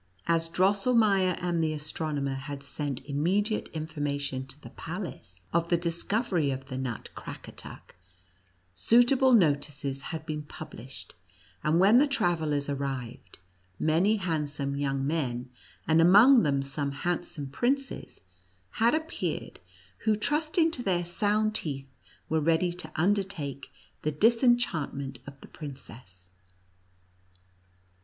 As Drossel meier and the astronomer had sent immediate information to the palace, of the discovery of the NUTCRACKER AOT) MOUSE KING. 83 nut Crackatuck, suitable notices liad been pub lished, and when the travellers arrived, many handsome young men, and among them some handsome princes, had appeared, who trusting to their sound teeth, were ready to undertake the disenchantment of the princess.